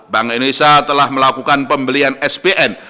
bank indonesia telah melakukan pembelian spn